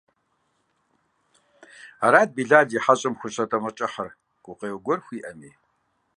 Арат Билал и хьэщӀэм щӀыхуэтэмакъкӀыхьыр, гукъеуэ гуэр хуиӀэми.